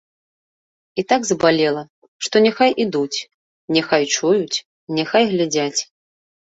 І так забалела, што няхай ідуць, няхай чуюць, няхай глядзяць.